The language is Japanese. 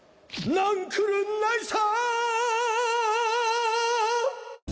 なんくるないさ！